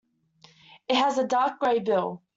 It has a dark grey bill.